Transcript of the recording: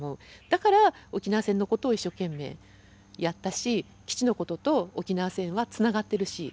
だから沖縄戦のことを一生懸命やったし基地のことと沖縄戦はつながってるし。